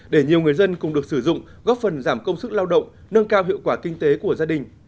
để nhiều người dân cùng được sử dụng góp phần giảm công sức lao động nâng cao hiệu quả kinh tế của gia đình